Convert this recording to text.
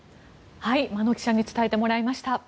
真野記者に伝えてもらいました。